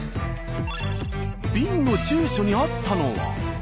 瓶の住所にあったのは。